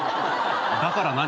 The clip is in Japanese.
だから何？